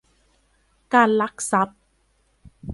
การลักทรัพย์